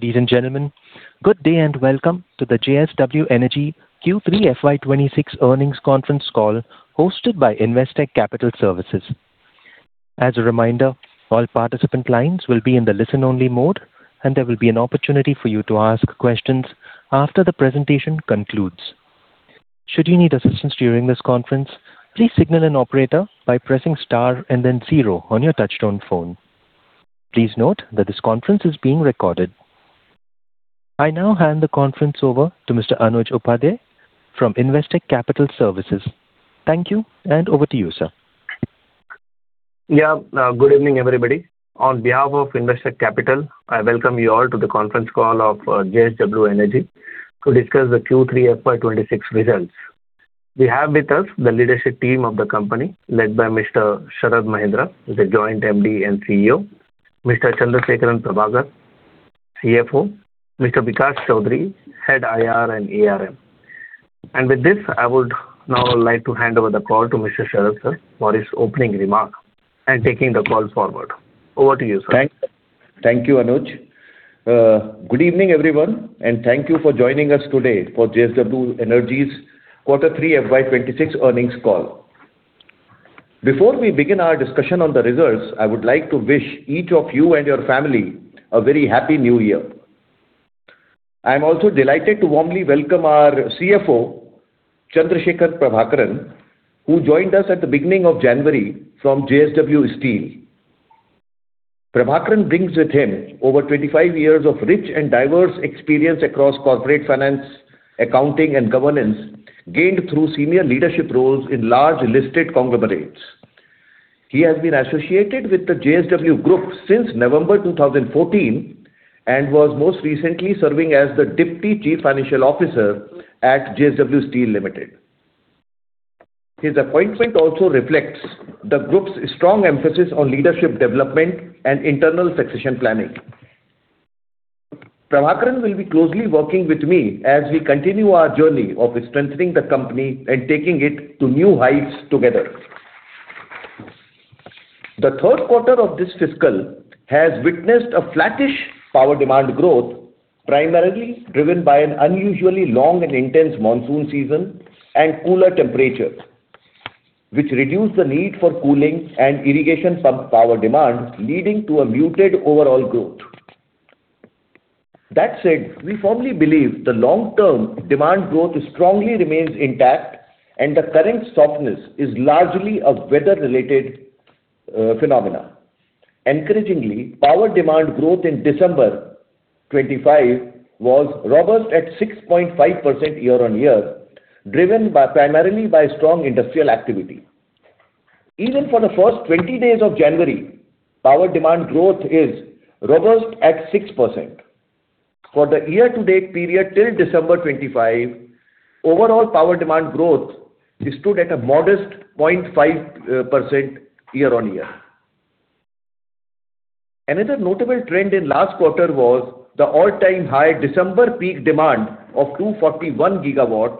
Ladies and gentlemen, good day and welcome to the JSW Energy Q3 FY 2026 Earnings Conference Call hosted by Investec Capital Services. As a reminder, all participant lines will be in the listen-only mode, and there will be an opportunity for you to ask questions after the presentation concludes. Should you need assistance during this conference, please signal an operator by pressing star and then zero on your touch-tone phone. Please note that this conference is being recorded. I now hand the conference over to Mr. Anuj Upadhyay from Investec Capital Services. Thank you, and over to you, sir. Yeah, good evening, everybody. On behalf of Investec Capital, I welcome you all to the conference call of JSW Energy to discuss the Q3 FY 2026 results. We have with us the leadership team of the company, led by Mr. Sharad Mahendra, the Joint MD and CEO, Mr. Chandrasekaran Prabhakaran, CFO, Mr. Bikash Chowdhury, Head IR and ERM. With this, I would now like to hand over the call to Mr. Sharad, for his opening remark and taking the call forward. Over to you, sir. Thank you, Anuj. Good evening, everyone, and thank you for joining us today for JSW Energy's Quarter Three FY 2026 Earnings Call. Before we begin our discussion on the results, I would like to wish each of you and your family a very happy New Year. I'm also delighted to warmly welcome our CFO, Chandrasekaran Prabhakaran, who joined us at the beginning of January from JSW Steel. Prabhakaran brings with him over 25 years of rich and diverse experience across corporate finance, accounting, and governance gained through senior leadership roles in large listed conglomerates. He has been associated with the JSW Group since November 2014 and was most recently serving as the Deputy Chief Financial Officer at JSW Steel Limited. His appointment also reflects the group's strong emphasis on leadership development and internal succession planning. Prabhakaran will be closely working with me as we continue our journey of strengthening the company and taking it to new heights together. The third quarter of this fiscal year has witnessed a flattish power demand growth, primarily driven by an unusually long and intense monsoon season and cooler temperatures, which reduced the need for cooling and irrigation pump power demand, leading to a muted overall growth. That said, we firmly believe the long-term demand growth strongly remains intact, and the current softness is largely a weather-related phenomenon. Encouragingly, power demand growth in December 2025 was robust at 6.5% year-on-year, driven primarily by strong industrial activity. Even for the first 20 days of January, power demand growth is robust at 6%. For the year-to-date period till December 2025, overall power demand growth stood at a modest 0.5% year-on-year. Another notable trend in the last quarter was the all-time high December peak demand of 241 GW,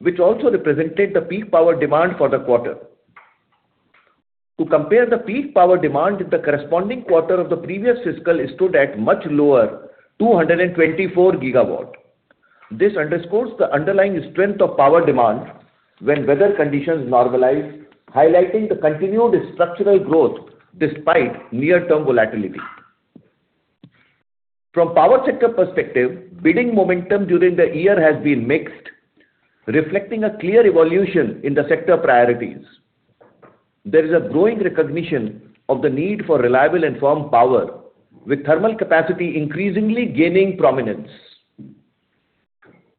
which also represented the peak power demand for the quarter. To compare, the peak power demand in the corresponding quarter of the previous fiscal year stood at much lower, 224 GW. This underscores the underlying strength of power demand when weather conditions normalize, highlighting the continued structural growth despite near-term volatility. From the power sector perspective, bidding momentum during the year has been mixed, reflecting a clear evolution in the sector priorities. There is a growing recognition of the need for reliable and firm power, with thermal capacity increasingly gaining prominence.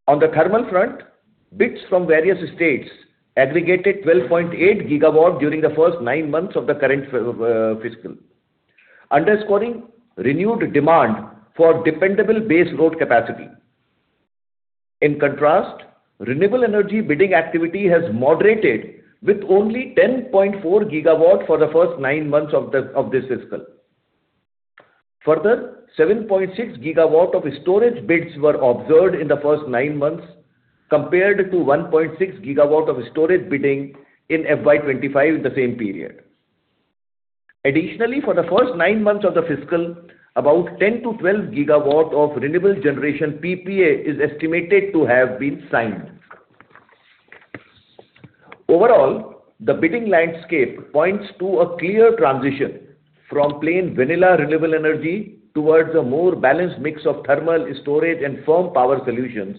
On the thermal front, bids from various states aggregated 12.8 GW during the first nine months of the current fiscal, underscoring renewed demand for dependable base load capacity. In contrast, renewable energy bidding activity has moderated, with only 10.4 GW for the first nine months of this fiscal. Further, 7.6 GW of storage bids were observed in the first nine months, compared to 1.6 GW of storage bidding in FY 2025 in the same period. Additionally, for the first nine months of the fiscal, about 10 GW-12 GW of renewable generation (PPA) is estimated to have been signed. Overall, the bidding landscape points to a clear transition from plain vanilla renewable energy towards a more balanced mix of thermal storage and firm power solutions,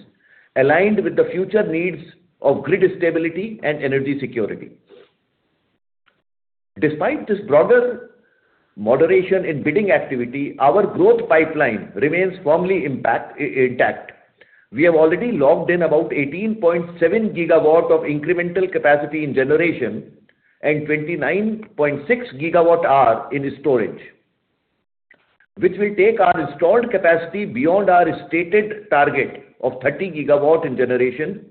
aligned with the future needs of grid stability and energy security. Despite this broader moderation in bidding activity, our growth pipeline remains firmly intact. We have already logged in about 18.7 GW of incremental capacity in generation and 29.6 GWh in storage, which will take our installed capacity beyond our stated target of 30 GW in generation,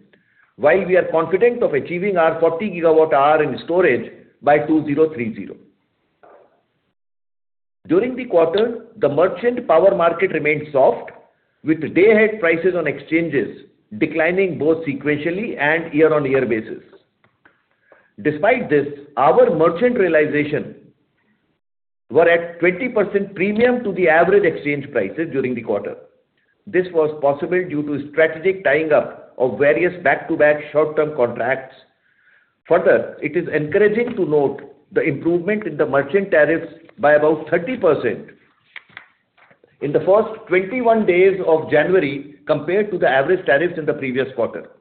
while we are confident of achieving our 40 GWh in storage by 2030. During the quarter, the merchant power market remained soft, with day-ahead prices on exchanges declining both sequentially and year-on-year basis. Despite this, our merchant realizations were at 20% premium to the average exchange prices during the quarter. This was possible due to strategic tying up of various back-to-back short-term contracts. Further, it is encouraging to note the improvement in the merchant tariffs by about 30% in the first 21 days of January compared to the average tariffs in the previous quarter.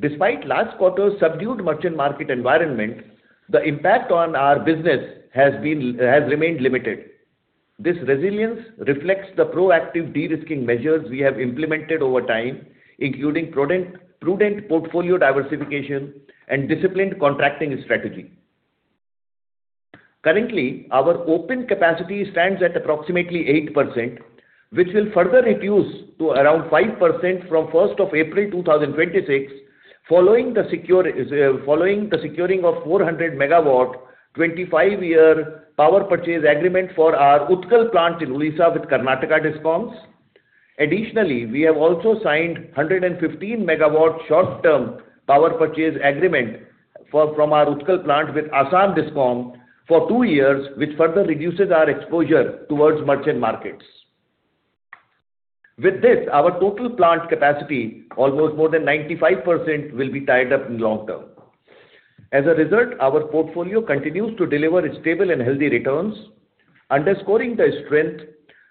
Despite last quarter's subdued merchant market environment, the impact on our business has remained limited. This resilience reflects the proactive de-risking measures we have implemented over time, including prudent portfolio diversification and disciplined contracting strategy. Currently, our open capacity stands at approximately 8%, which will further reduce to around 5% from 1st of April, 2026, following the securing of 400 MW 25-year power purchase agreement for our Utkal plant in Odisha with Karnataka Discoms. Additionally, we have also signed a 115 MW short-term power purchase agreement from our Utkal plant with Assam Discom for two years, which further reduces our exposure towards merchant markets. With this, our total plant capacity, almost more than 95%, will be tied up in the long term. As a result, our portfolio continues to deliver stable and healthy returns, underscoring the strength,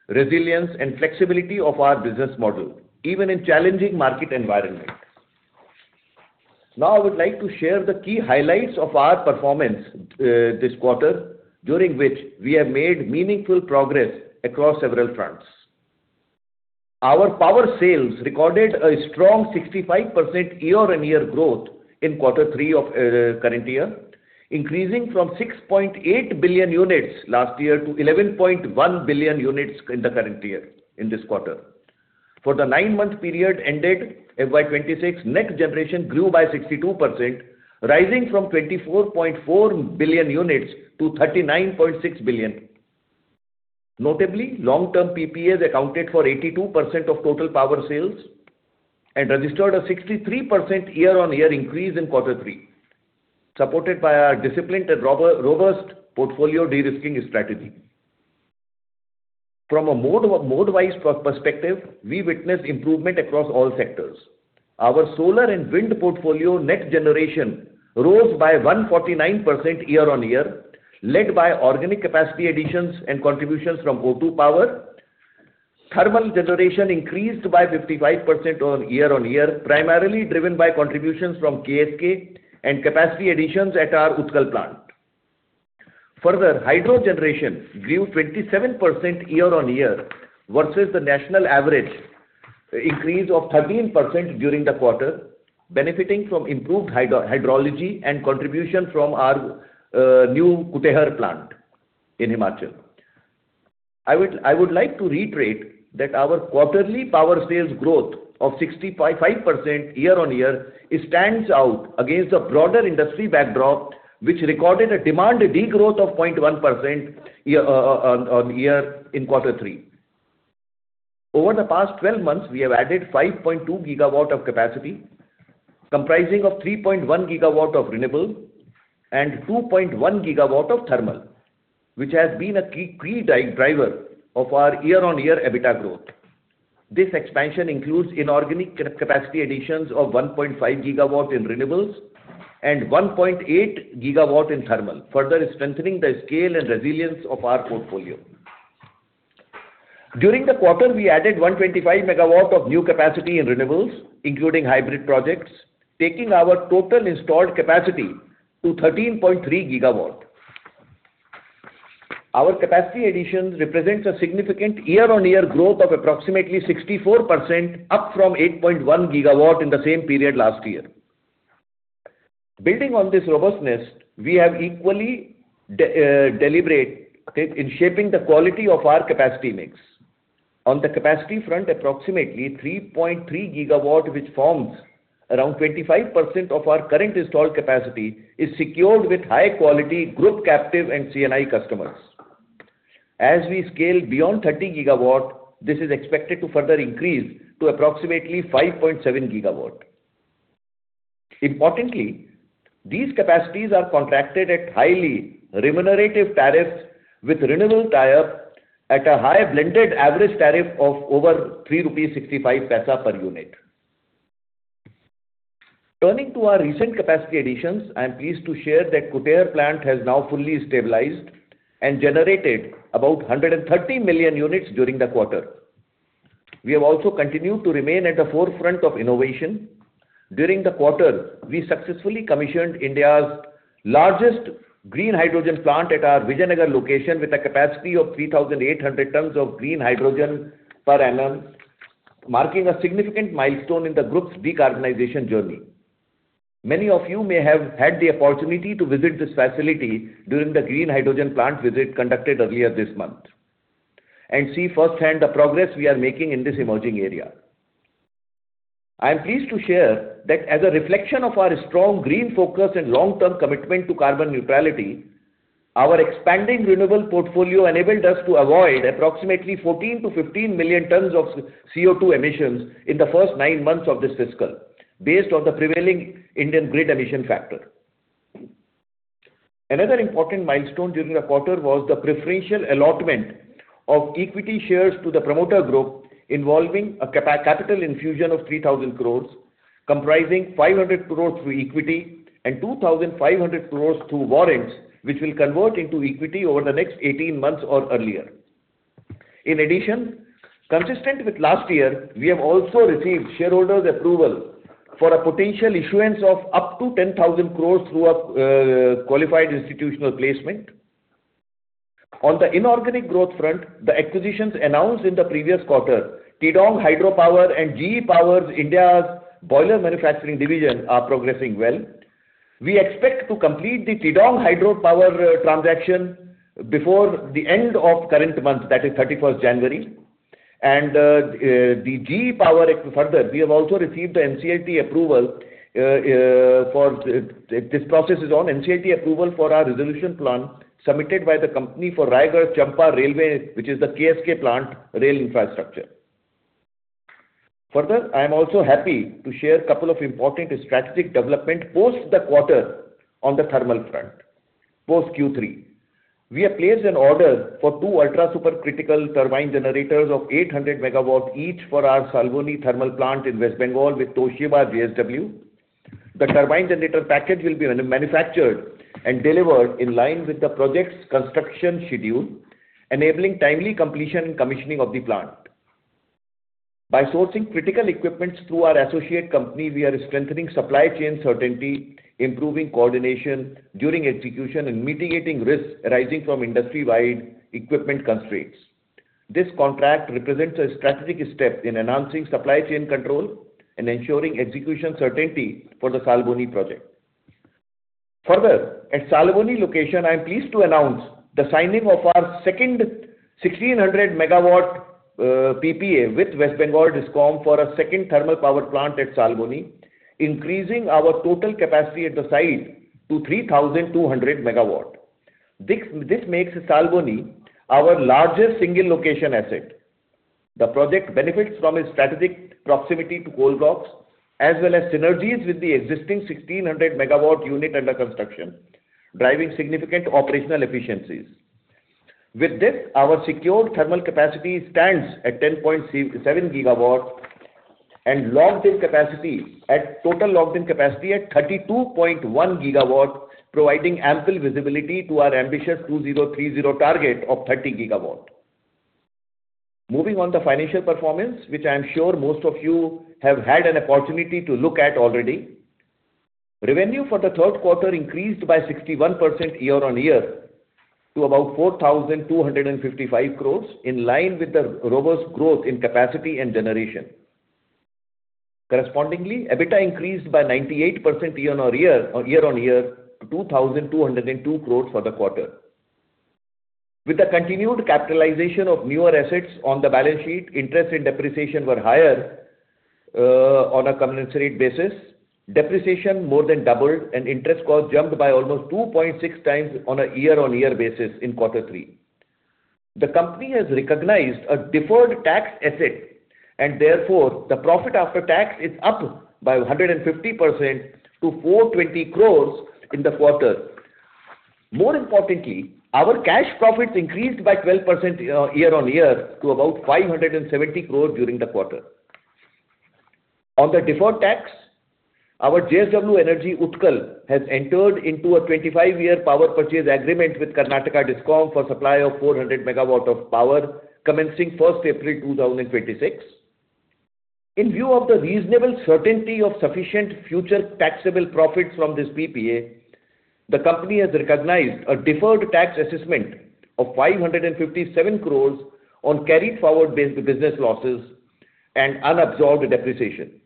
resilience, and flexibility of our business model, even in challenging market environments. Now, I would like to share the key highlights of our performance this quarter, during which we have made meaningful progress across several fronts. Our power sales recorded a strong 65% year-on-year growth in quarter three of the current year, increasing from 6.8 billion units last year to 11.1 billion units in the current year in this quarter. For the nine-month period ended FY 2026, net generation grew by 62%, rising from 24.4 billion units to 39.6 billion. Notably, long-term PPAs accounted for 82% of total power sales and registered a 63% year-on-year increase in quarter three, supported by our disciplined and robust portfolio de-risking strategy. From a mode-wise perspective, we witnessed improvement across all sectors. Our solar and wind portfolio net generation rose by 149% year-on-year, led by organic capacity additions and contributions from O2 Power. Thermal generation increased by 55% year-on-year, primarily driven by contributions from KSK and capacity additions at our Utkal plant. Further, hydro generation grew 27% year-on-year versus the national average increase of 13% during the quarter, benefiting from improved hydrology and contribution from our new Kutehr plant in Himachal. I would like to reiterate that our quarterly power sales growth of 65% year-on-year stands out against a broader industry backdrop, which recorded a demand degrowth of 0.1% year-on-year in quarter three. Over the past 12 months, we have added 5.2 GW of capacity, comprising 3.1 GW of renewable and 2.1 GW of thermal, which has been a key driver of our year-on-year EBITDA growth. This expansion includes inorganic capacity additions of 1.5 GW in renewables and 1.8 GW in thermal, further strengthening the scale and resilience of our portfolio. During the quarter, we added 125 MW of new capacity in renewables, including hybrid projects, taking our total installed capacity to 13.3 GW. Our capacity additions represent a significant year-on-year growth of approximately 64%, up from 8.1 GW in the same period last year. Building on this robustness, we have equally deliberated in shaping the quality of our capacity mix. On the capacity front, approximately 3.3 GW, which forms around 25% of our current installed capacity, is secured with high-quality group captive and C&I customers. As we scale beyond 30 GW, this is expected to further increase to approximately 5.7 GW. Importantly, these capacities are contracted at highly remunerative tariffs, with renewable tie-up at a high blended average tariff of over 3.65 rupees per unit. Turning to our recent capacity additions, I'm pleased to share that Kutehr plant has now fully stabilized and generated about 130 million units during the quarter. We have also continued to remain at the forefront of innovation. During the quarter, we successfully commissioned India's largest green hydrogen plant at our Vijayanagar location, with a capacity of 3,800 tons of green hydrogen per annum, marking a significant milestone in the group's decarbonization journey. Many of you may have had the opportunity to visit this facility during the green hydrogen plant visit conducted earlier this month and see firsthand the progress we are making in this emerging area. I'm pleased to share that, as a reflection of our strong green focus and long-term commitment to carbon neutrality, our expanding renewable portfolio enabled us to avoid approximately 14 million-15 million tons of CO2 emissions in the first nine months of this fiscal, based on the prevailing Indian grid emission factor. Another important milestone during the quarter was the preferential allotment of equity shares to the promoter group, involving a capital infusion of 3,000 crores, comprising 500 crores through equity and 2,500 crores through warrants, which will convert into equity over the next 18 months or earlier. In addition, consistent with last year, we have also received shareholders' approval for a potential issuance of up to 10,000 crores through a qualified institutional placement. On the inorganic growth front, the acquisitions announced in the previous quarter, Tidong Hydro Power and GE Power India's boiler manufacturing division are progressing well. We expect to complete the Tidong Hydro Power transaction before the end of the current month, that is 31st of January. And the GE Power, further, we have also received the NCLT approval for this process is on NCLT approval for our resolution plan submitted by the company for Raigarh Champa Rail Infrastructure, which is the KSK plant rail infrastructure. Further, I'm also happy to share a couple of important strategic developments post the quarter on the thermal front, post Q3. We have placed an order for two ultra-super critical turbine generators of 800 MW each for our Salboni thermal plant in West Bengal with Toshiba JSW. The turbine generator package will be manufactured and delivered in line with the project's construction schedule, enabling timely completion and commissioning of the plant. By sourcing critical equipment through our associate company, we are strengthening supply chain certainty, improving coordination during execution, and mitigating risks arising from industry-wide equipment constraints. This contract represents a strategic step in enhancing supply chain control and ensuring execution certainty for the Salboni project. Further, at Salboni location, I'm pleased to announce the signing of our second 1,600 MW PPA with West Bengal Discom for a second thermal power plant at Salboni, increasing our total capacity at the site to 3,200 MW. This makes Salboni our largest single-location asset. The project benefits from its strategic proximity to Coal Blocks, as well as synergies with the existing 1,600 MW unit under construction, driving significant operational efficiencies. With this, our secured thermal capacity stands at 10.7 GW and total logged-in capacity at 32.1 GW, providing ample visibility to our ambitious 2030 target of 30 GW. Moving on to financial performance, which I'm sure most of you have had an opportunity to look at already, revenue for the third quarter increased by 61% year-on-year to about 4,255 crores, in line with the robust growth in capacity and generation. Correspondingly, EBITDA increased by 98% year-on-year to 2,202 crores for the quarter. With the continued capitalization of newer assets on the balance sheet, interest and depreciation were higher on a commensurate basis. Depreciation more than doubled, and interest costs jumped by almost 2.6x on a year-on-year basis in quarter three. The company has recognized a deferred tax asset, and therefore, the profit after tax is up by 150% to 420 crores in the quarter. More importantly, our cash profits increased by 12% year-on-year to about 570 crores during the quarter. On the deferred tax, our JSW Energy Utkal has entered into a 25-year power purchase agreement with Karnataka Discom for supply of 400 MW of power, commencing 1st April 2026. In view of the reasonable certainty of sufficient future taxable profits from this PPA, the company has recognized a deferred tax assessment of 557 crores on carried-forward-based business losses and unabsorbed depreciation.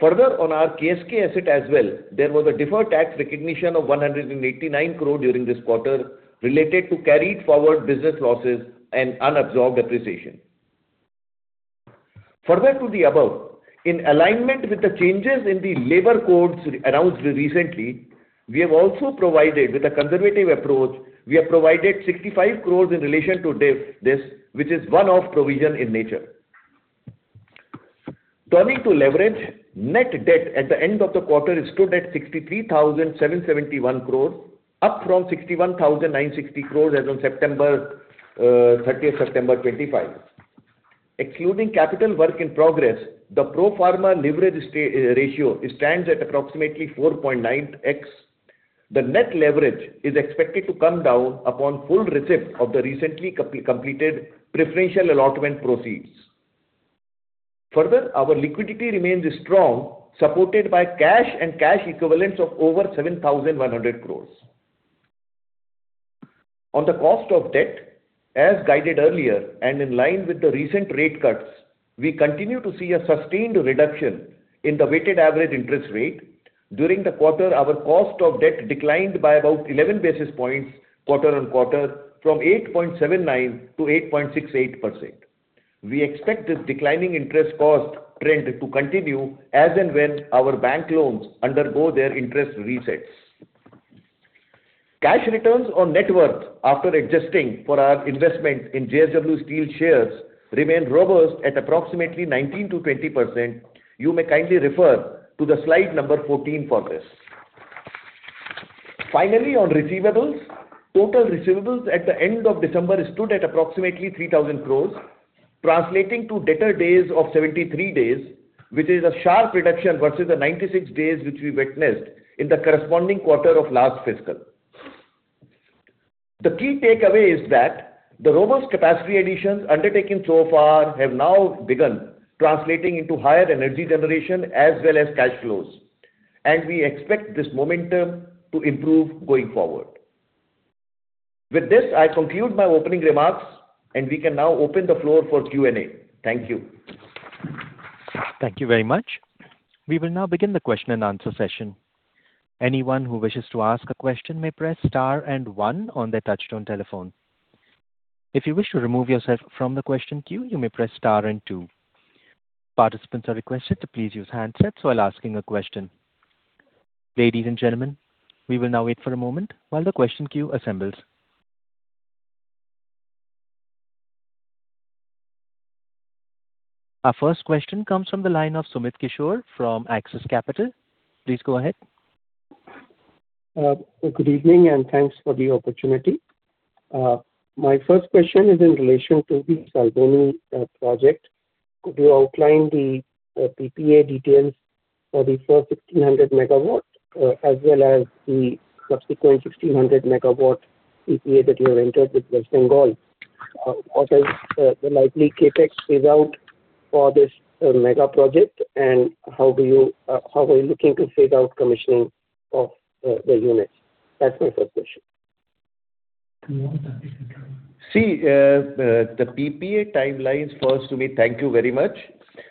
Further, on our KSK asset as well, there was a deferred tax recognition of 189 crores during this quarter related to carried-forward business losses and unabsorbed depreciation. Further to the above, in alignment with the changes in the labor codes announced recently, we have also provided with a conservative approach. We have provided 65 crores in relation to this, which is one-off provision in nature. Turning to leverage, net debt at the end of the quarter is stood at 63,771 crores, up from 61,960 crores as of 30th September 2025. Excluding capital work in progress, the pro forma leverage ratio stands at approximately 4.9x. The net leverage is expected to come down upon full receipt of the recently completed preferential allotment proceeds. Further, our liquidity remains strong, supported by cash and cash equivalents of over 7,100 crores. On the cost of debt, as guided earlier and in line with the recent rate cuts, we continue to see a sustained reduction in the weighted average interest rate. During the quarter, our cost of debt declined by about 11 basis points quarter-on-quarter from 8.79% to 8.68%. We expect this declining interest cost trend to continue as and when our bank loans undergo their interest resets. Cash returns on net worth after adjusting for our investment in JSW Steel shares remain robust at approximately 19%-20%. You may kindly refer to the slide number 14 for this. Finally, on receivables, total receivables at the end of December stood at approximately 3,000 crore, translating to debtor days of 73 days, which is a sharp reduction versus the 96 days which we witnessed in the corresponding quarter of last fiscal. The key takeaway is that the robust capacity additions undertaken so far have now begun, translating into higher energy generation as well as cash flows, and we expect this momentum to improve going forward. With this, I conclude my opening remarks, and we can now open the floor for Q&A. Thank you. Thank you very much. We will now begin the question-and-answer session. Anyone who wishes to ask a question may press star and one on their touch-tone telephone. If you wish to remove yourself from the question queue, you may press star and two. Participants are requested to please use handsets while asking a question. Ladies and gentlemen, we will now wait for a moment while the question queue assembles. Our first question comes from the line of Sumit Kishore from Axis Capital. Please go ahead. Good evening and thanks for the opportunity. My first question is in relation to the Salboni project. Could you outline the PPA details for the first 1,600 MW, as well as the subsequent 1,600 MW PPA that you have entered with West Bengal? What is the likely CapEx phase-out for this mega project, and how are you looking to phase-out commissioning of the units? That's my first question. See, the PPA timelines, first, to me, thank you very much.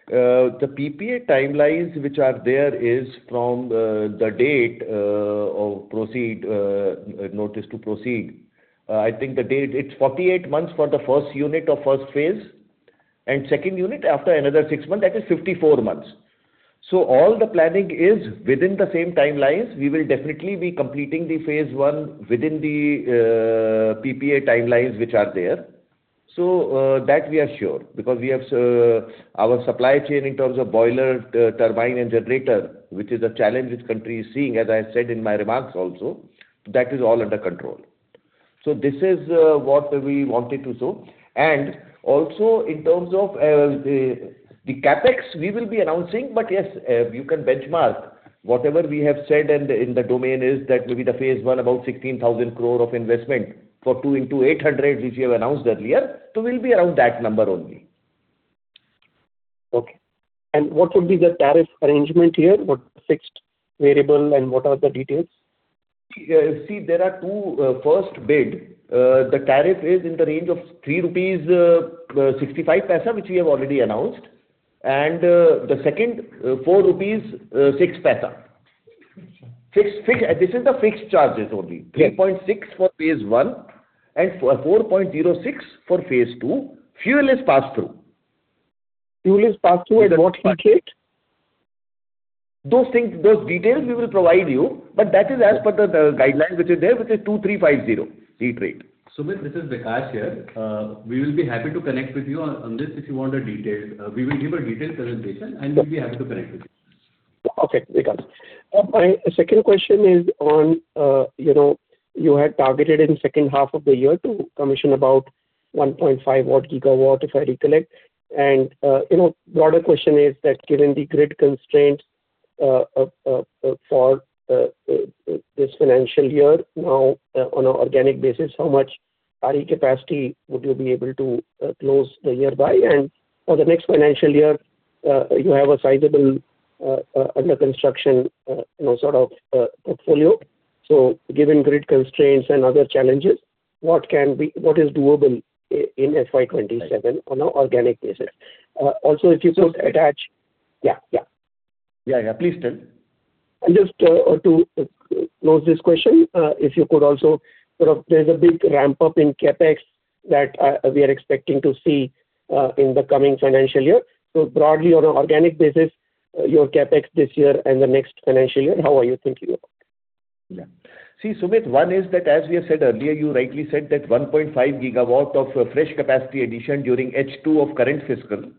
The PPA timelines which are there is from the date of notice to proceed. I think the date, it's 48 months for the first unit of first phase, and second unit after another 6 months, that is 54 months. So all the planning is within the same timelines. We will definitely be completing the phase I within the PPA timelines which are there. So that we are sure because we have our supply chain in terms of boiler, turbine, and generator, which is a challenge which country is seeing, as I said in my remarks also, that is all under control. So this is what we wanted to show. And also, in terms of the CapEx, we will be announcing, but yes, you can benchmark whatever we have said, and in the domain is that maybe the phase I about 16,000 crore of investment for two into 800 MW, which you have announced earlier, so we'll be around that number only. Okay. And what would be the tariff arrangement here? What fixed variable and what are the details? See, there are two first bid. The tariff is in the range of 3.65 rupees, which we have already announced, and the second 4.06 rupees. This is the fixed charges only, 3.6 for phase I and 4.06 for phase II. Fuel is passed through. Fuel is passed through at what fuel rate? Those details we will provide you, but that is as per the guideline which is there, which is 2350 fuel rate. Sumit, this is Vikas here. We will be happy to connect with you on this if you want a detailed. We will give a detailed presentation, and we'll be happy to connect with you. Okay, Vikas. My second question is on you had targeted in the second half of the year to commission about 1.5 GW, if I recollect. And broader question is that given the grid constraint for this financial year, now on an organic basis, how much RE capacity would you be able to close the year by? And for the next financial year, you have a sizable under-construction sort of portfolio. So given grid constraints and other challenges, what is doable in FY 2027 on an organic basis? Also, if you could attach yeah, yeah. Yeah, yeah. Please tell. And just to close this question, if you could also sort of there's a big ramp-up in CapEx that we are expecting to see in the coming financial year. So broadly, on an organic basis, your CapEx this year and the next financial year, how are you thinking about it? Yeah. See, Sumit, one is that as we have said earlier, you rightly said that 1.5 GW of fresh capacity addition during H2 of current fiscal,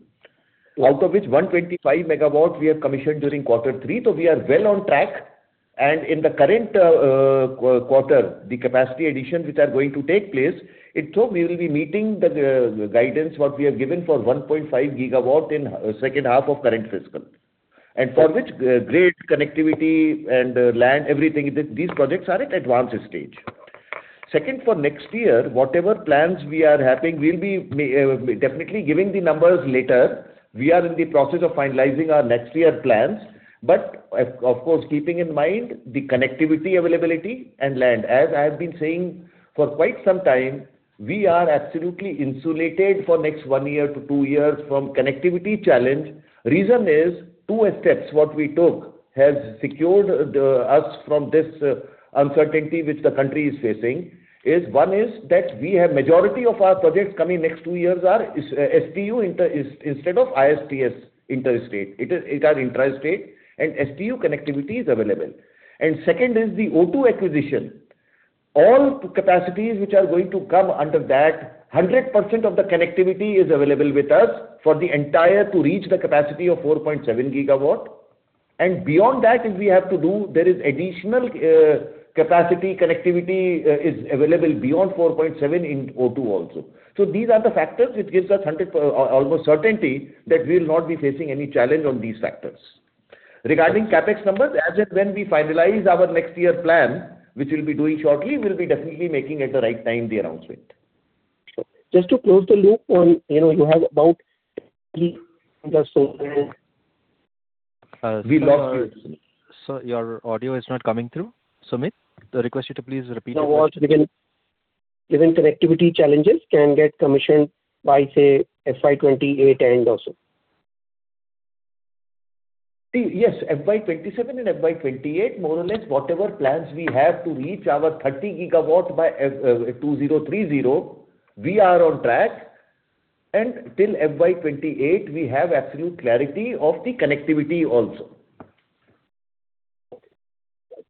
out of which 125 MW we have commissioned during quarter three. So we are well on track. And in the current quarter, the capacity additions which are going to take place, it's so we will be meeting the guidance what we have given for 1.5 GW in the second half of current fiscal. And for which grid connectivity and land, everything, these projects are at advanced stage. Second, for next year, whatever plans we are having, we'll be definitely giving the numbers later. We are in the process of finalizing our next year plans, but of course, keeping in mind the connectivity availability and land. As I have been saying for quite some time, we are absolutely insulated for next one year to two years from connectivity challenge. Reason is two steps what we took has secured us from this uncertainty which the country is facing. One is that we have majority of our projects coming next two years are STU instead of ISTS interstate. It is interstate, and STU connectivity is available. Second is the O2 acquisition. All capacities which are going to come under that, 100% of the connectivity is available with us for the entire to reach the capacity of 4.7 GW. And beyond that, if we have to do, there is additional capacity connectivity is available beyond 4.7 GW in O2 also. So these are the factors which gives us almost certainty that we will not be facing any challenge on these factors. Regarding CapEx numbers, as and when we finalize our next year plan, which we'll be doing shortly, we'll be definitely making at the right time the announcement. Just to close the loop on you have about the. We lost you. So your audio is not coming through. Sumit, I request you to please repeat it. Even connectivity challenges can get commissioned by, say, FY 2028 end also. See, yes, FY 2027 and FY 2028, more or less, whatever plans we have to reach our 30 GW by 2030, we are on track. And till FY 2028, we have absolute clarity of the connectivity also.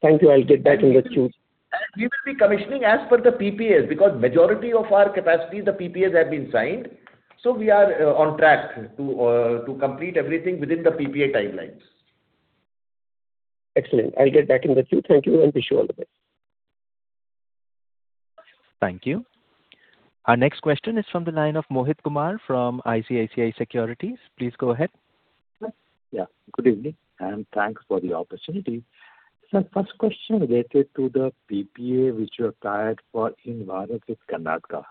Thank you. I'll get back in the queue. We will be commissioning as per the PPAs because majority of our capacity, the PPAs have been signed. So we are on track to complete everything within the PPA timelines. Excellent. I'll get back in the queue. Thank you and wish you all the best. Thank you. Our next question is from the line of Mohit Kumar from ICICI Securities. Please go ahead. Yeah. Good evening and thanks for the opportunity. So first question related to the PPA which you have tied for the Karnataka.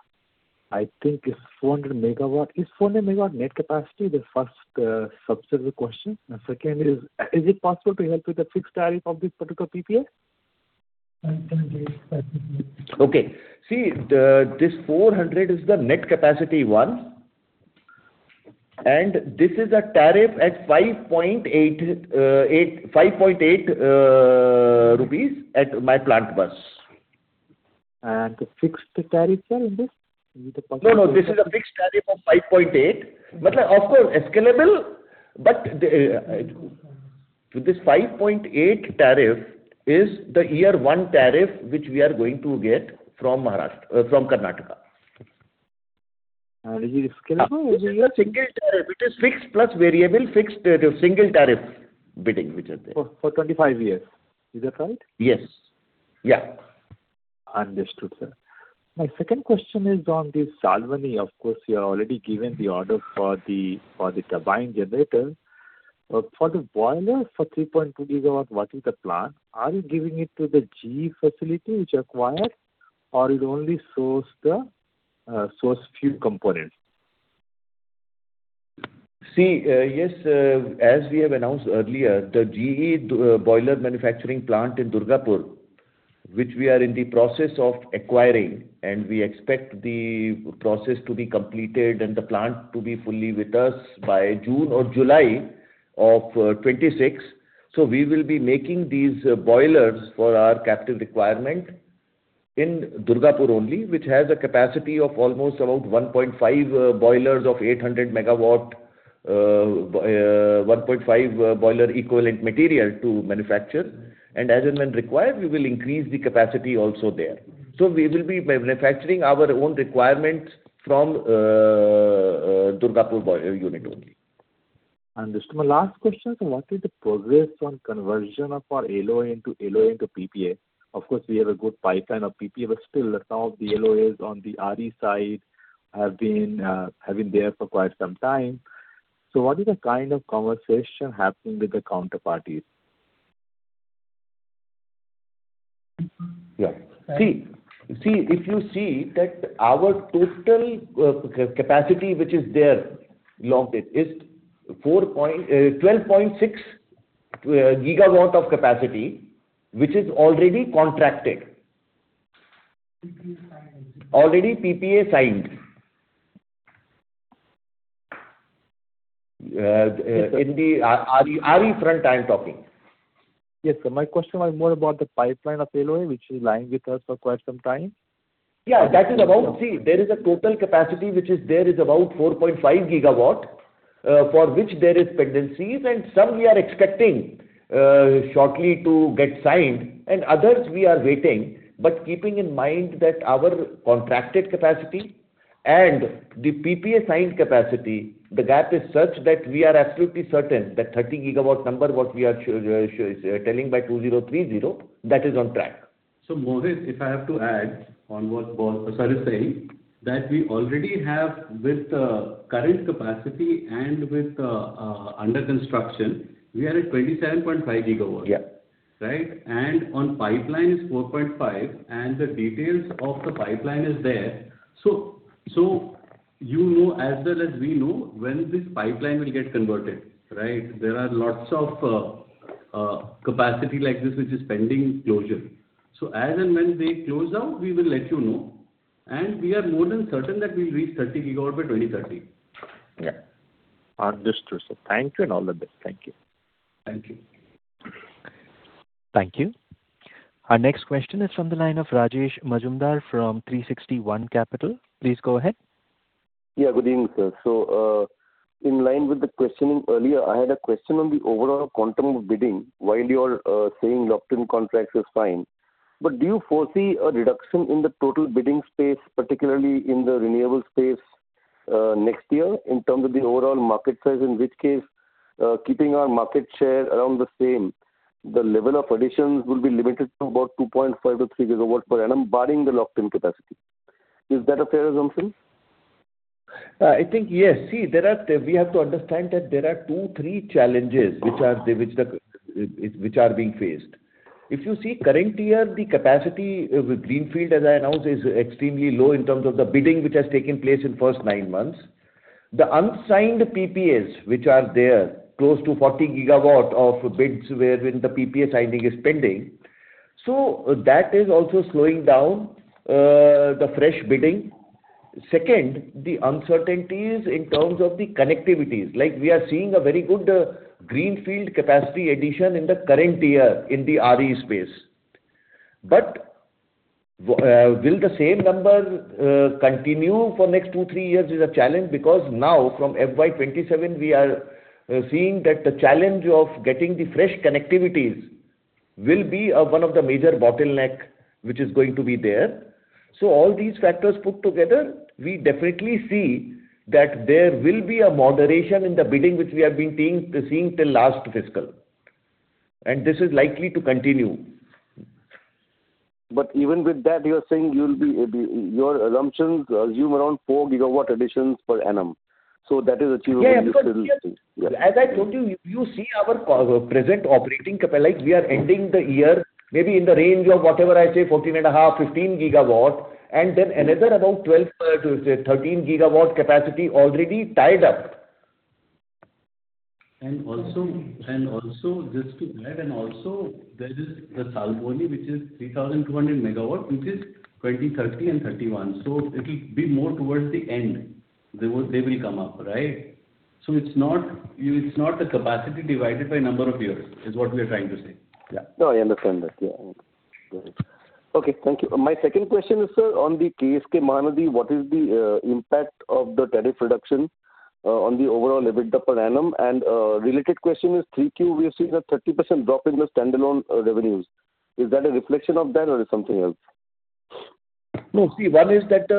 I think it's 400 MW. Is 400 MW net capacity the first subsidiary question? And second is, is it possible to share with the fixed tariff of this particular PPA? Okay. See, this 400 MW is the net capacity one. And this is a tariff at 5.8 rupees at my plant bus. And the fixed tariff here in this? No, no. This is a fixed tariff of 5.8. Of course, scalable, but this 5.8 tariff is the year one tariff which we are going to get from Karnataka. Is it scalable or is it a single tariff? It is fixed plus variable, fixed single tariff bidding which is there. For 25 years. Is that right? Yes. Yeah. Understood, sir. My second question is on the Salboni. Of course, you are already given the order for the turbine generator. For the boiler for 3.2 GW, what is the plan? Are you giving it to the GE facility which we acquire, or only sourcing a few components? See, yes, as we have announced earlier, the GE boiler manufacturing plant in Durgapur, which we are in the process of acquiring, and we expect the process to be completed and the plant to be fully with us by June or July of 2026. So we will be making these boilers for our captive requirement in Durgapur only, which has a capacity of almost about 1.5 boilers of 800 MW, 1.5 boiler equivalent material to manufacture. And as and when required, we will increase the capacity also there. So we will be manufacturing our own requirements from Durgapur unit only. Understood. My last question is, what is the progress on conversion of our allocated into allocated into PPA? Of course, we have a good pipeline of PPA, but still some of the allocated on the RE side have been there for quite some time. So what is the kind of conversation happening with the counterparties? Yeah. See, if you see that our total capacity which is there is 12.6 GW of capacity, which is already contracted. Already PPA signed. RE front, I'm talking. Yes, sir. My question was more about the pipeline, a lot of which is lying with us for quite some time. Yeah, that is about, see, there is a total capacity which is there is about 4.5 GW for which there is pendencies, and some we are expecting shortly to get signed, and others we are waiting. But keeping in mind that our contracted capacity and the PPA signed capacity, the gap is such that we are absolutely certain that 30 GW number what we are telling by 2030, that is on track. So Mohit, if I have to add on what Sharad is saying, that we already have with current capacity and with under construction, we are at 27.5 GW. Right? And on pipeline is 4.5 GW, and the details of the pipeline is there. So you know as well as we know when this pipeline will get converted. Right? There are lots of capacity like this which is pending closure. So as and when they close out, we will let you know. And we are more than certain that we'll reach 30 GW by 2030. Yeah. Understood, sir. Thank you and all the best. Thank you. Thank you. Thank you. Our next question is from the line of Rajesh Majumdar from 360 ONE Capital. Please go ahead. Yeah, good evening, sir. So in line with the questioning earlier, I had a question on the overall quantum of bidding while you are saying locked-in contracts is fine. But do you foresee a reduction in the total bidding space, particularly in the renewable space next year in terms of the overall market size, in which case keeping our market share around the same, the level of additions will be limited to about 2.5 GW-3 GW per annum barring the locked-in capacity? Is that a fair assumption? I think yes. See, we have to understand that there are two, three challenges which are being faced. If you see current year, the capacity with Greenfield, as I announced, is extremely low in terms of the bidding which has taken place in the first 9 months. The unsigned PPAs which are there, close to 40 GW of bids wherein the PPA signing is pending. So that is also slowing down the fresh bidding. Second, the uncertainties in terms of the connectivities. Like we are seeing a very good Greenfield capacity addition in the current year in the RE space. But will the same number continue for next two, three years is a challenge because now from FY 2027, we are seeing that the challenge of getting the fresh connectivities will be one of the major bottlenecks which is going to be there. So all these factors put together, we definitely see that there will be a moderation in the bidding which we have been seeing till last fiscal. And this is likely to continue. But even with that, you're saying your assumptions assume around 4 GW additions per annum. So that is achievable. Yeah, yeah, absolutely. As I told you, you see our present operating capacity. We are ending the year. Maybe in the range of whatever I say, 14.5 GW-15 GW. And then another about 12 GW-13 GW capacity already tied up. And also, just to add, and also there is the Salboni which is 3,200 MW, which is 2030 and 2031. So it will be more towards the end. They will come up, right? So it's not the capacity divided by number of years is what we are trying to say. Yeah. No, I understand that. Yeah. Okay. Thank you. My second question is, sir, on the KSK Mahanadi case, what is the impact of the tariff reduction on the overall EBITDA per annum? And related question is 3Q, we have seen a 30% drop in the standalone revenues. Is that a reflection of that or something else? No, see, one is that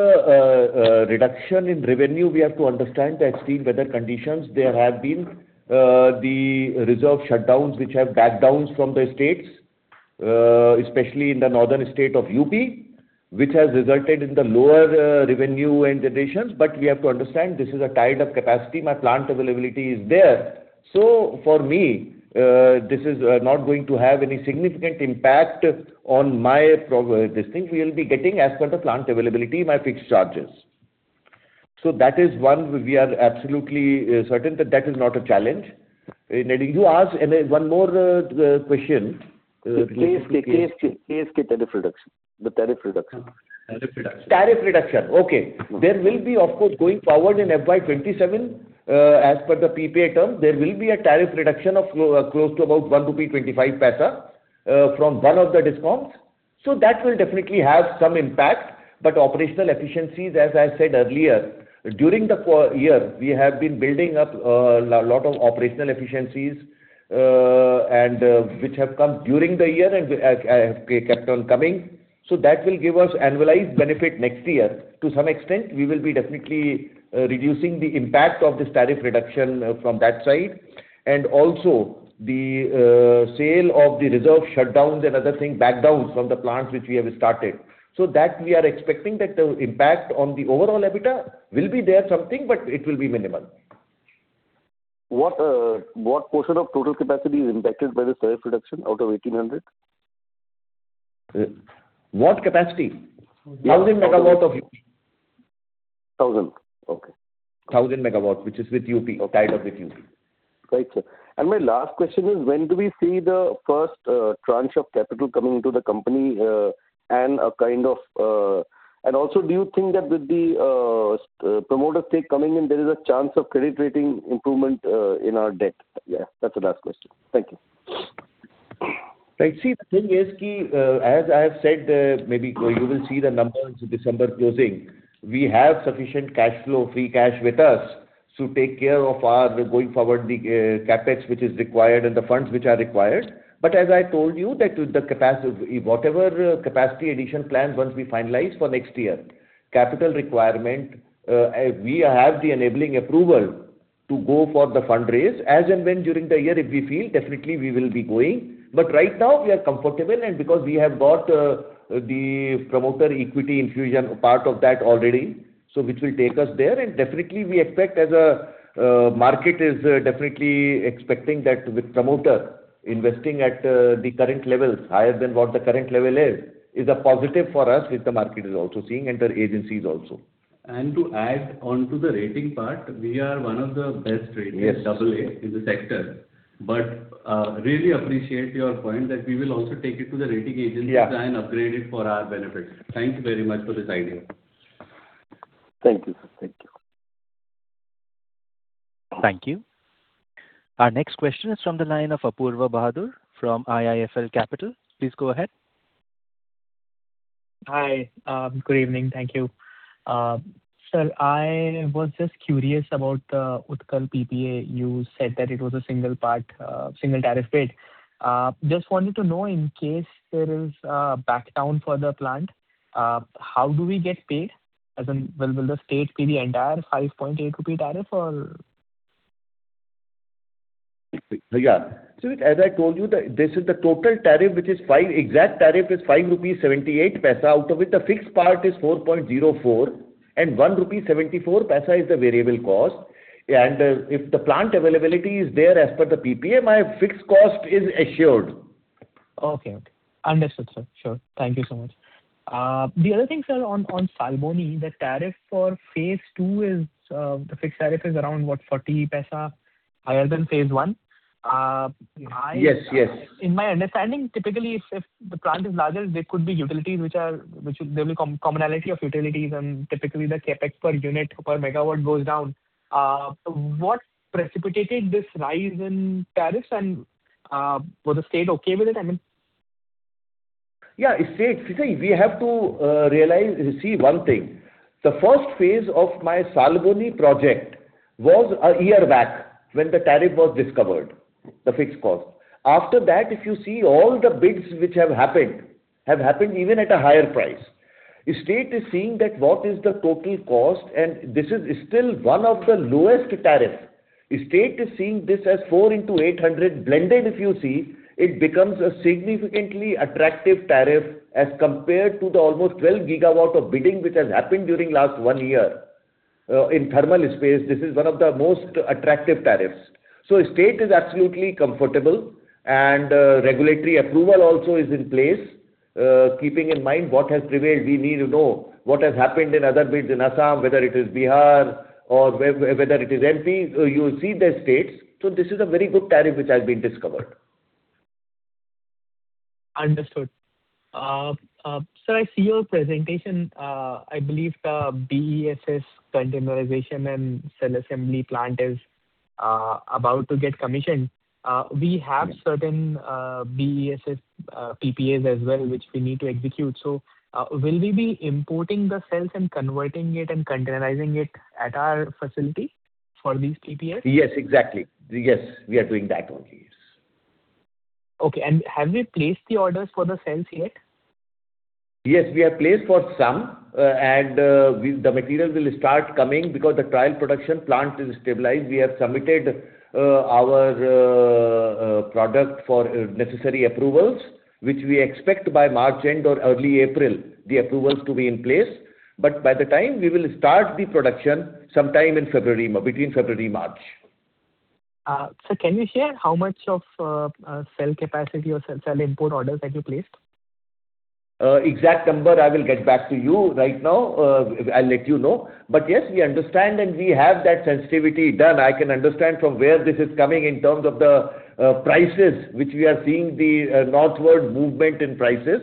reduction in revenue, we have to understand the extreme weather conditions there have been, the reserve shutdowns which have backed down from the states, especially in the northern state of UP, which has resulted in the lower revenue and generations. But we have to understand this is a tied-up capacity. My plant availability is there. So for me, this is not going to have any significant impact on my this thing we will be getting as per the plant availability, my fixed charges. So that is one we are absolutely certain that that is not a challenge. You asked one more question. KSK tariff reduction. The tariff reduction. Tariff reduction. Tariff reduction. Okay. There will be, of course, going forward in FY 2027, as per the PPA term, there will be a tariff reduction of close to about 1.25 rupee from one of the Discoms. So that will definitely have some impact. But operational efficiencies, as I said earlier, during the year, we have been building up a lot of operational efficiencies which have come during the year and have kept on coming. So that will give us annualized benefit next year. To some extent, we will be definitely reducing the impact of this tariff reduction from that side. And also the sale of the reserve shutdowns and other things, backdowns from the plants which we have started. So that we are expecting that the impact on the overall EBITDA will be there something, but it will be minimal. What portion of total capacity is impacted by the tariff reduction out of 1,800 MW? What capacity? 1,000 MW of UP. 1,000 MW. Okay. 1,000 MW, which is with UP, tied up with UP. Right, sir. And my last question is, when do we see the first tranche of capital coming into the company and a kind of and also, do you think that with the promoter stake coming in, there is a chance of credit rating improvement in our debt? Yeah. That's the last question. Thank you. Right. See, the thing is, as I have said, maybe you will see the numbers December closing. We have sufficient cash flow, free cash with us to take care of our going forward the CapEx which is required and the funds which are required. But as I told you, that with the whatever capacity addition plan, once we finalize for next year, capital requirement, we have the enabling approval to go for the fundraise. As and when during the year, if we feel, definitely we will be going. But right now, we are comfortable. And because we have got the promoter equity infusion part of that already, so which will take us there. And definitely, we expect as a market is definitely expecting that with promoter investing at the current levels, higher than what the current level is, is a positive for us with the market is also seeing and the agencies also. To add on to the rating part, we are one of the best ratings, AA in the sector. But really appreciate your point that we will also take it to the rating agencies and upgrade it for our benefit. Thank you very much for this idea. Thank you, sir. Thank you. Thank you. Our next question is from the line of Apurva Bahadur from IIFL Capital. Please go ahead. Hi. Good evening. Thank you. Sir, I was just curious about the Utkal PPA. You said that it was a single tariff rate. Just wanted to know in case there is a backdown for the plant, how do we get paid? Will the state pay the entire 5.8 rupee tariff or? Yeah. See, as I told you, this is the total tariff which is exact tariff is 5.78 rupees. Out of it, the fixed part is 4.04 and 1.74 rupee is the variable cost. If the plant availability is there as per the PPA, my fixed cost is assured. Okay. Understood, sir. Sure. Thank you so much. The other thing, sir, on Salboni, the tariff for phase II is the fixed tariff is around what, 40 higher than phase I? Yes, yes. In my understanding, typically, if the plant is larger, there could be utilities which are there will be commonality of utilities, and typically, the CapEx per unit per megawatt goes down. What precipitated this rise in tariffs, and was the state okay with it? I mean. Yeah. See, we have to realize see one thing. The first phase of my Salboni project was a year back when the tariff was discovered, the fixed cost. After that, if you see all the bids which have happened, have happened even at a higher price, the state is seeing that what is the total cost, and this is still one of the lowest tariffs. The state is seeing this as for into 800 MW blended. If you see, it becomes a significantly attractive tariff as compared to the almost 12 GW of bidding which has happened during last one year in thermal space. This is one of the most attractive tariffs. So the state is absolutely comfortable, and regulatory approval also is in place. Keeping in mind what has prevailed, we need to know what has happened in other bids in Assam, whether it is Bihar or whether it is MP. You will see the states. So this is a very good tariff which has been discovered. Understood. Sir, I see your presentation. I believe the BESS containerization and cell assembly plant is about to get commissioned. We have certain BESS PPAs as well, which we need to execute. So will we be importing the cells and converting it and containerizing it at our facility for these PPAs? Yes, exactly. Yes, we are doing that only. Yes. Okay. And have we placed the orders for the cells yet? Yes, we have placed for some. And the material will start coming because the trial production plant is stabilized. We have submitted our product for necessary approvals, which we expect by March end or early April, the approvals to be in place. But by the time we will start the production, sometime in February, between February and March. Sir, can you share how much of cell capacity or cell import orders that you placed? Exact number I will get back to you right now. I'll let you know. But yes, we understand, and we have that sensitivity done. I can understand from where this is coming in terms of the prices which we are seeing the northward movement in prices.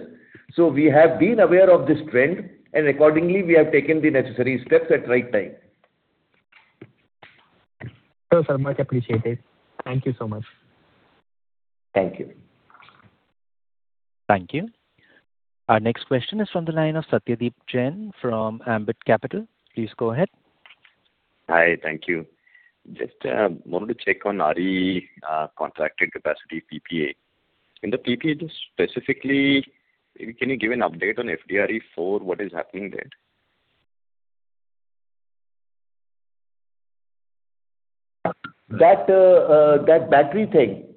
So we have been aware of this trend, and accordingly, we have taken the necessary steps at the right time. Sir, much appreciated. Thank you so much. Thank you. Thank you. Our next question is from the line of Satyadeep Jain from Ambit Capital. Please go ahead. Hi. Thank you. Just wanted to check on RE contracted capacity PPA. In the PPA specifically, can you give an update on FDRE 4, what is happening there? That battery thing.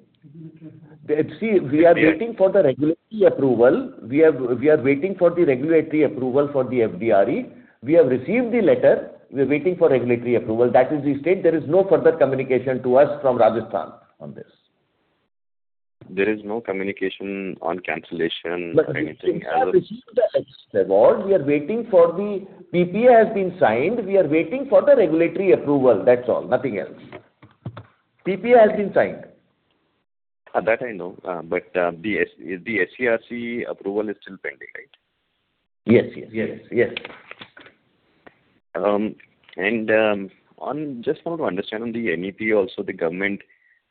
See, we are waiting for the regulatory approval. We are waiting for the regulatory approval for the FDRE. We have received the letter. We are waiting for regulatory approval. That is the state. There is no further communication to us from Rajasthan on this. There is no communication on cancellation or anything. We have received the Letter or Award. We are waiting for the PPA has been signed. We are waiting for the regulatory approval. That's all. Nothing else. PPA has been signed. That I know. But the SERC approval is still pending, right? Yes, yes, yes, yes. And just wanted to understand on the NEP also, the government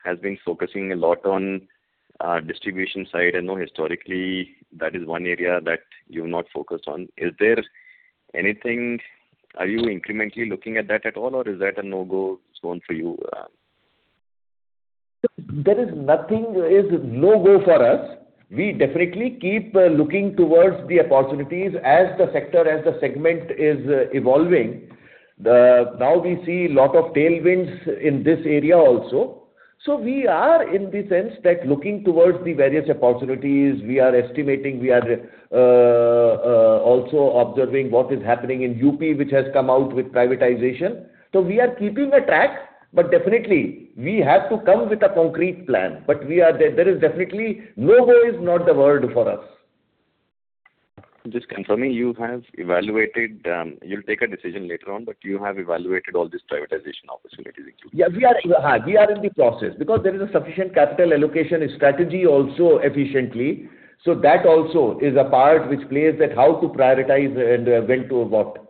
has been focusing a lot on distribution side, and though historically, that is one area that you've not focused on. Is there anything? Are you incrementally looking at that at all, or is that a no-go zone for you? There is nothing is no-go for us. We definitely keep looking towards the opportunities as the sector, as the segment is evolving. Now we see a lot of tailwinds in this area also. So we are, in the sense that looking towards the various opportunities, we are estimating. We are also observing what is happening in UP, which has come out with privatization. So we are keeping a track, but definitely, we have to come with a concrete plan. But there is definitely no-go is not the word for us. Just confirming, you have evaluated; you'll take a decision later on, but you have evaluated all these privatization opportunities included. Yeah, we are in the process because there is a sufficient capital allocation strategy also efficiently. So that also is a part which plays that how to prioritize and when to what.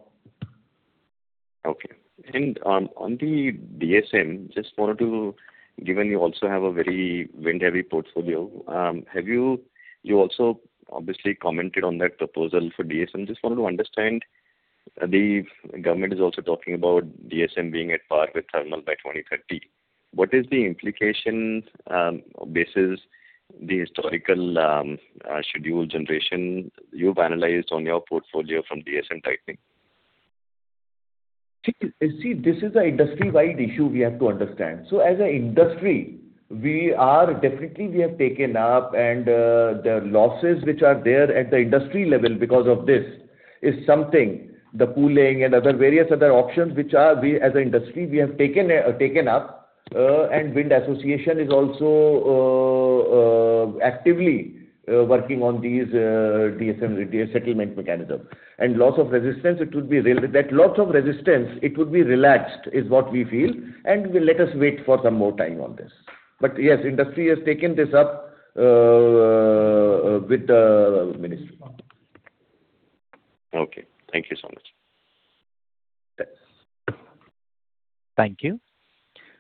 Okay. And on the DSM, just wanted to know, given you also have a very wind-heavy portfolio, have you also obviously commented on that proposal for DSM? Just wanted to understand. The government is also talking about DSM being at par with thermal by 2030. What is the implication basis the historical schedule generation you've analyzed on your portfolio from DSM tightening? See, this is an industry-wide issue we have to understand. So as an industry, we are definitely we have taken up, and the losses which are there at the industry level because of this is something the pooling and other various other options which are as an industry we have taken up. And Wind Association is also actively working on these DSM settlement mechanisms. And loss of resistance, it would be that loss of resistance, it would be relaxed is what we feel. And let us wait for some more time on this. But yes, industry has taken this up with the ministry. Okay. Thank you so much. Thank you.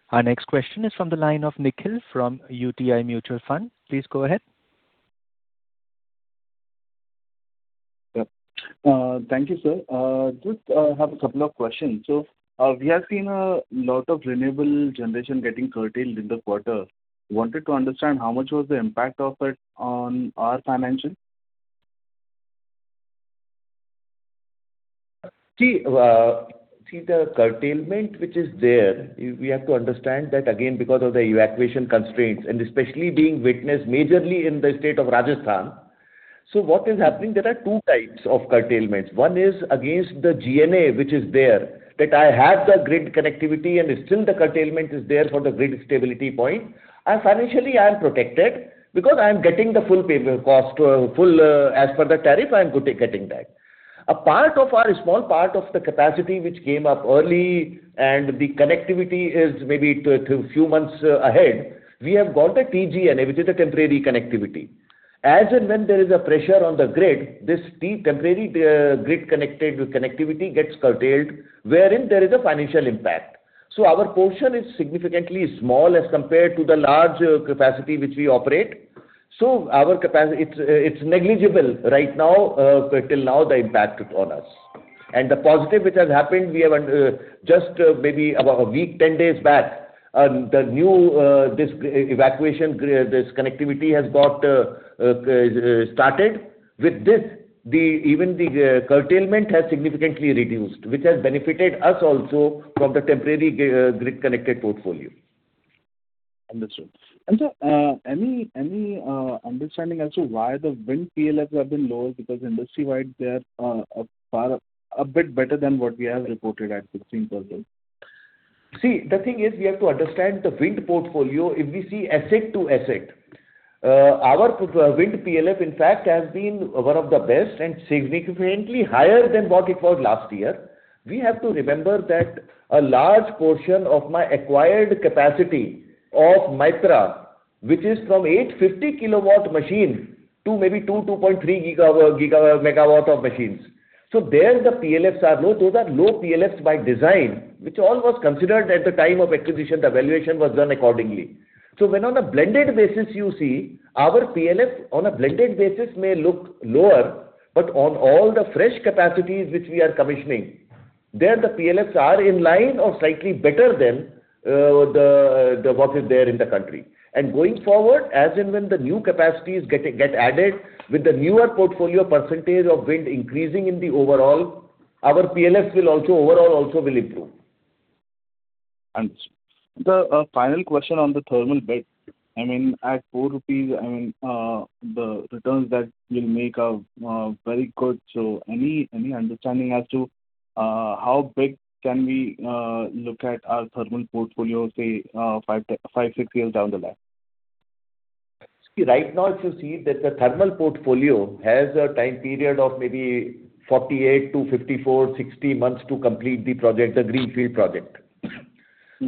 Our next question is from the line of Nikhil from UTI Mutual Fund. Please go ahead. Thank you, sir. Just have a couple of questions. So we have seen a lot of renewable generation getting curtailed in the quarter. Wanted to understand how much was the impact of it on our financial? See, the curtailment which is there, we have to understand that again because of the evacuation constraints and especially being witnessed majorly in the state of Rajasthan. So what is happening, there are two types of curtailments. One is against the GNA which is there that I have the grid connectivity, and still the curtailment is there for the grid stability point. I financially am protected because I'm getting the full cost as per the tariff I'm getting that. A part of our small part of the capacity which came up early and the connectivity is maybe a few months ahead, we have got a TGNA which is a temporary connectivity. As and when there is a pressure on the grid, this temporary grid connectivity gets curtailed wherein there is a financial impact. So our portion is significantly small as compared to the large capacity which we operate. So it's negligible right now until now, the impact on us. And the positive which has happened, we have just maybe about a week, 10 days back, the new evacuation connectivity has got started. With this, even the curtailment has significantly reduced, which has benefited us also from the temporary grid connected portfolio. Understood. And sir, any understanding as to why the wind PLFs have been lower? Because industry-wide, they are a bit better than what we have reported at 16%. See, the thing is we have to understand the wind portfolio. If we see asset to asset, our wind PLF in fact has been one of the best and significantly higher than what it was last year. We have to remember that a large portion of my acquired capacity of Mytrah, which is from 850 kW machines to maybe 2 MW-2.3 MW machines. So there the PLFs are low. Those are low PLFs by design, which all was considered at the time of acquisition. The evaluation was done accordingly. So when on a blended basis, you see our PLF on a blended basis may look lower, but on all the fresh capacities which we are commissioning, there the PLFs are in line or slightly better than what is there in the country. Going forward, as and when the new capacities get added with the newer portfolio percentage of wind increasing in the overall, our PLFs will also overall also will improve. Understood. The final question on the thermal bit. I mean, at 4 rupees, I mean, the returns that will make a very good. So any understanding as to how big can we look at our thermal portfolio, say, 5, 6 years down the line? See, right now, if you see that the thermal portfolio has a time period of maybe 48 to 54, 60 months to complete the project, the greenfield project.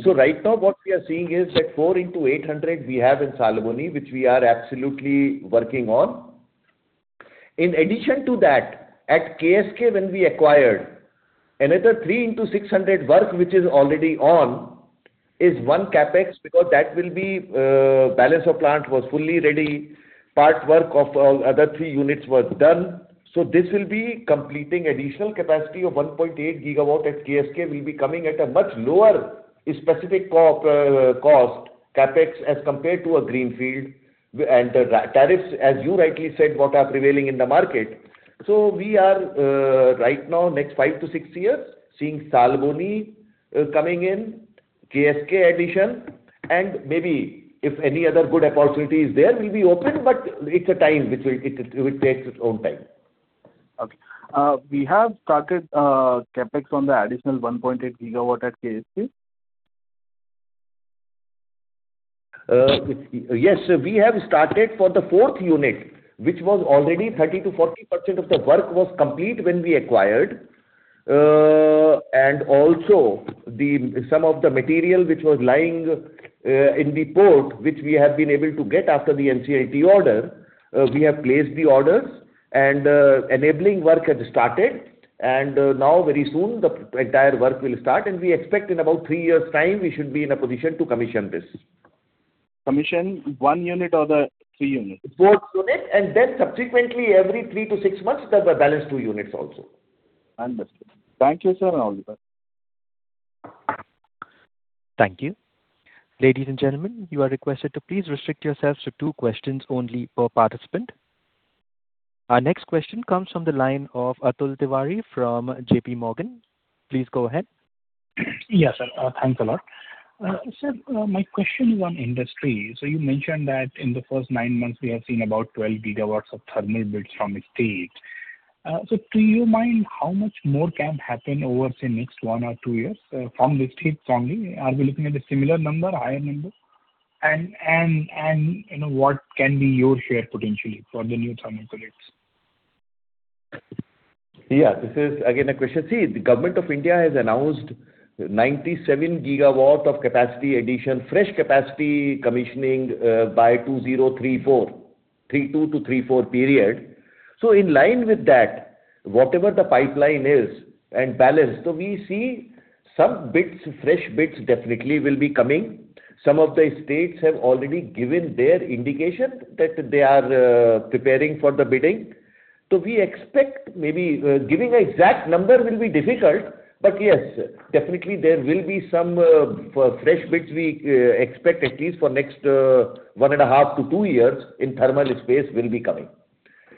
So right now, what we are seeing is that four into 800 we have in Salboni, which we are absolutely working on. In addition to that, at KSK, when we acquired, another three into 600 work which is already on is one CapEx because that will be balance of plant was fully ready. Part work of other three units was done. So this will be completing additional capacity of 1.8 GW at KSK will be coming at a much lower specific cost CapEx as compared to a greenfield. And the tariffs, as you rightly said, what are prevailing in the market. So we are right now, next 5 years-6 years, seeing Salboni coming in, KSK addition, and maybe if any other good opportunities there will be open, but it's a time which will take its own time. Okay. We have started CapEx on the additional 1.8 GW at KSK? Yes, we have started for the fourth unit, which was already 30%-40% of the work was complete when we acquired. And also, some of the material which was lying in the port, which we have been able to get after the NCLT order, we have placed the orders, and enabling work has started. And now very soon, the entire work will start, and we expect in about three years' time, we should be in a position to commission this. Commission one unit or the three units? Both units. And then subsequently, every three to six months, there's a balance two units also. Understood. Thank you, sir. Thank you. Ladies and gentlemen, you are requested to please restrict yourselves to two questions only per participant. Our next question comes from the line of Atul Tiwari from JPMorgan. Please go ahead. Yes, sir. Thanks a lot. Sir, my question is on industry. So you mentioned that in the first nine months, we have seen about 12 GW of thermal bids from the state. So do you mind how much more can happen over, say, next one or two years from the state only? Are we looking at a similar number, higher number? And what can be your share potentially for the new thermal capacities? Yeah, this is again a question. See, the Government of India has announced 97 GW of capacity addition, fresh capacity commissioning by 2034, 2032 to 2034 period. So in line with that, whatever the pipeline is and balance, so we see some bids, fresh bids definitely will be coming. Some of the states have already given their indication that they are preparing for the bidding. So we expect maybe giving an exact number will be difficult, but yes, definitely there will be some fresh bids we expect at least for next 1.5 years-2 years in thermal space will be coming.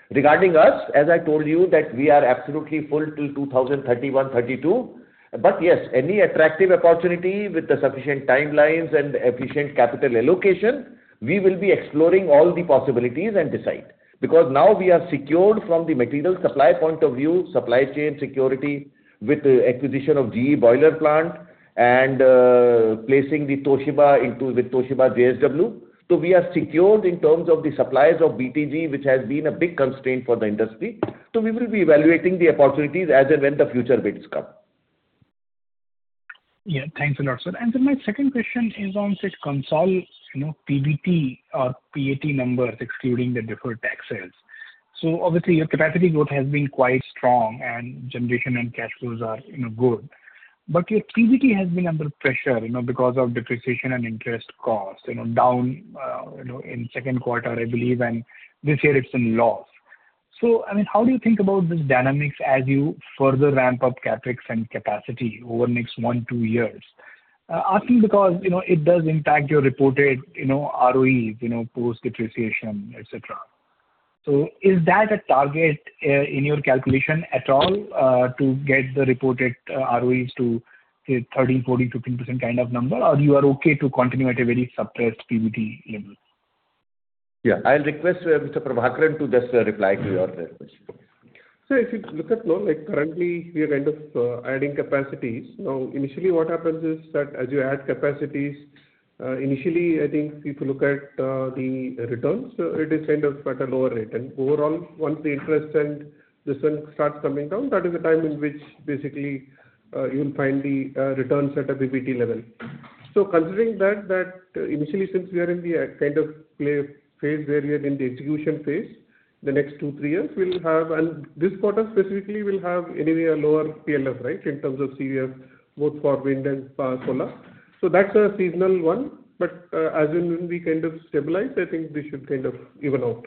Regarding us, as I told you that we are absolutely full till 2031-2032. But yes, any attractive opportunity with the sufficient timelines and efficient capital allocation, we will be exploring all the possibilities and decide. Because now we are secured from the material supply point of view, supply chain security with the acquisition of GE boiler plant and placing the Toshiba with Toshiba JSW. So we are secured in terms of the supplies of BTG, which has been a big constraint for the industry. So we will be evaluating the opportunities as and when the future bid s come. Yeah, thanks a lot, sir. Then my second question is on consolidated PBT or PAT numbers excluding the deferred tax assets. So obviously, your capacity growth has been quite strong and generation and cash flows are good. But your PBT has been under pressure because of depreciation and interest costs down in second quarter, I believe, and this year it's in loss. So I mean, how do you think about this dynamics as you further ramp up CapEx and capacity over the next one, two years? Asking because it does impact your reported ROEs, post-depreciation, etc. So is that a target in your calculation at all to get the reported ROEs to say 13%, 14%, 15% kind of number, or you are okay to continue at a very suppressed PBT level? Yeah, I'll request Mr. Prabhakaran to just reply to your question. So if you look at it currently, we are kind of adding capacities. Now, initially, what happens is that as you add capacities, initially, I think if you look at the returns, it is kind of at a lower rate. And overall, once the interest and this one starts coming down, that is the time in which basically you'll find the returns at a PBT level. So considering that, initially, since we are in the kind of phase where we are in the execution phase, the next two, three years, we'll have; this quarter specifically will have anyway a lower PLF, right, in terms of CUF, both for wind and solar. So that's a seasonal one. But as and when we kind of stabilize, I think we should kind of even out.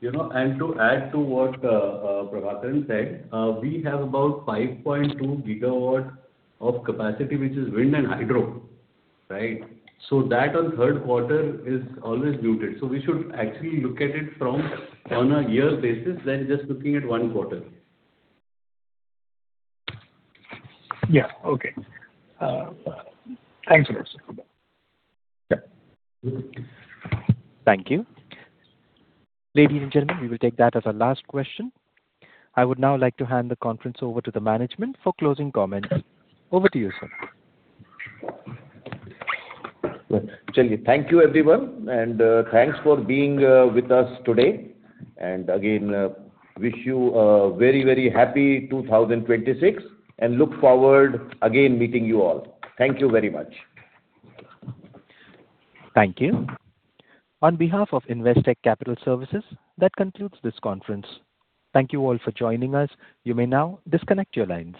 To add to what Prabhakaran said, we have about 5.2 GW of capacity, which is wind and hydro, right? So that on third quarter is always muted. So we should actually look at it from on a year basis than just looking at one quarter. Yeah. Okay. Thanks a lot. Thank you. Ladies and gentlemen, we will take that as our last question. I would now like to hand the conference over to the management for closing comments. Over to you, sir. Thank you, everyone. And thanks for being with us today. And again, wish you a very, very happy 2026 and look forward again meeting you all. Thank you very much. Thank you. On behalf of Investec Capital Services, that concludes this conference. Thank you all for joining us. You may now disconnect your lines.